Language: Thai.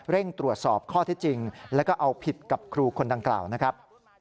ตรวจสอบข้อที่จริงแล้วก็เอาผิดกับครูคนดังกล่าวนะครับ